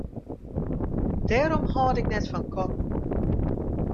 Dêrom hâld ik net fan katten.